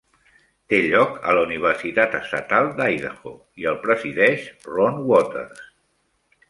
Té lloc a la Universitat Estatal d'Idaho i el presideix Ron Watters.